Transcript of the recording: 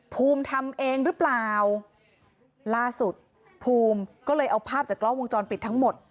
ภูมิทำเองหรือเปล่าล่าสุดภูมิก็เลยเอาภาพจากกล้องวงจรปิดทั้งหมด